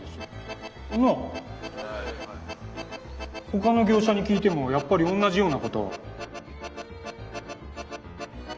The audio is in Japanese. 他の業者に聞いてもやっぱりおんなじようなことを。